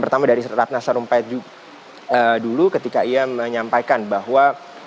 pertama dari ratna sarumpait dulu ketika ia menyampaikan bahwa